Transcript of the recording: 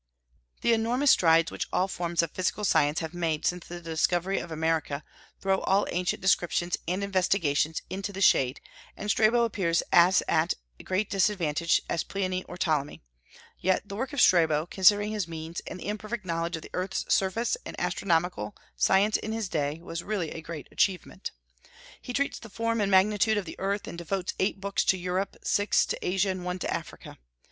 The enormous strides which all forms of physical science have made since the discovery of America throw all ancient descriptions and investigations into the shade, and Strabo appears at as great disadvantage as Pliny or Ptolemy; yet the work of Strabo, considering his means, and the imperfect knowledge of the earth's surface and astronomical science in his day, was really a great achievement. He treats of the form and magnitude of the earth, and devotes eight books to Europe, six to Asia, and one to Africa.